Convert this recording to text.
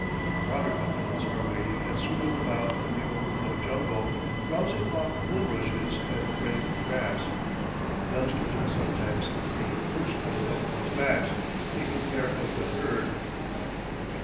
Water buffaloes are wading and swimming about in the overflowed jungle, browsing off bulrushes and rank grass. Youngsters are sometimes seen perched on the buffaloes' backs, taking care of the herd.